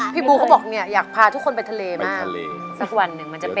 พี่บูลเขาบอกอยากพาทุกคนไปทะเลมาสักวันหนึ่งมันจะเป็นของเรา